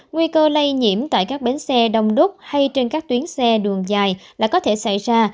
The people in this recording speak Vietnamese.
nguy cơ lây nhiễm tại các bến xe đông đúc hay trên các tuyến xe đường dài là có thể xảy ra